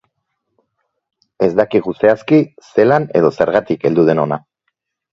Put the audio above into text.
Ez dakigu zehazki zelan edo zergatik heldu den hona.